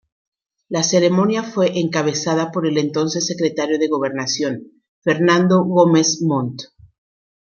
La ceremonia fue encabezada por el entonces secretario de Gobernación, Fernando Gómez Mont.